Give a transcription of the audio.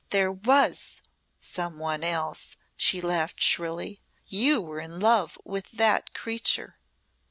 "There was some one else," she laughed shrilly. "You were in love with that creature."